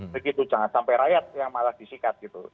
begitu jangan sampai rakyat yang malah disikat gitu